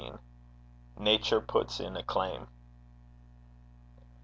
NATURE PUTS IN A CLAIM.